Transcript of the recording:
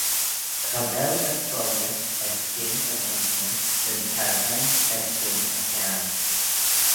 Cha vel y scoillar erskyn e vainshter ny'n charvaant erskyn e hiarn.